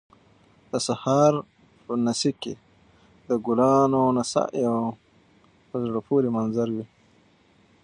د سهار په نسي کې د ګلانو نڅا یو په زړه پورې منظر وي